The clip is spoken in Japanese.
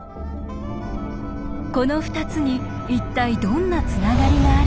この２つに一体どんなつながりがあるのか？